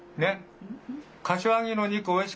柏木の肉おいしかった？